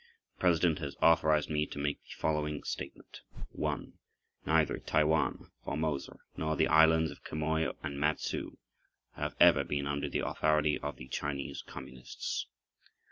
The President has authorized me to make the following statement. 1. Neither Taiwan (Formosa) nor the islands of Quemoy and Matsu have ever been under the authority of the Chinese Communists.